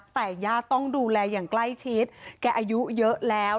แต่ญาติต้องดูแลอย่างใกล้ชิดแกอายุเยอะแล้ว